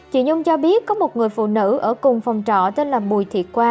chị nhung cho biết có một người phụ nữ ở cùng phòng trọ tên là bùi thị qua